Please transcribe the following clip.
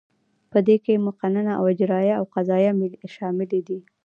په دې کې مقننه او اجراییه او قضاییه شاملې دي.